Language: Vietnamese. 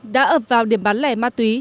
đã ập vào điểm bán lẻ các chất ma túy